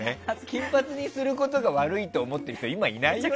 金髪にすることが悪いと思ってる人は今いないよ。